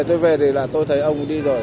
tôi về thì là tôi thấy ông đi rồi